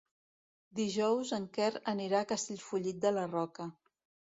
Dijous en Quer anirà a Castellfollit de la Roca.